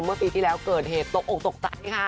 เมื่อปีที่แล้วเกิดเหตุตกอกตกใจค่ะ